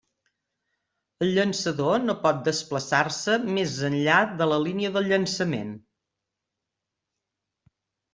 El llançador no pot desplaçar-se més enllà de la línia del llançament.